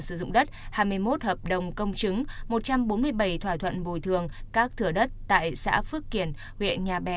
sử dụng đất hai mươi một hợp đồng công chứng một trăm bốn mươi bảy thỏa thuận bồi thường các thửa đất tại xã phước kiển huyện nhà bè